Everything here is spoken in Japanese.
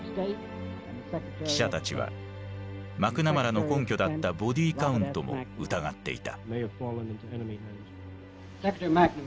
記者たちはマクナマラの根拠だったボディカウントも疑っていた。